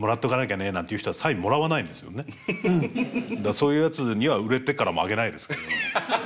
そういうやつには売れてからもあげないですけど。